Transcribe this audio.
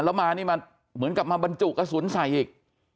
แล้วมานี่มาเหมือนกับมาบรรจุกระสุนใส่อีก